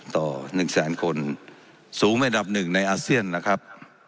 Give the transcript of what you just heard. ต่อหนึ่งแสนคนสูงแม่ดับหนึ่งในอาเซียนนะครับ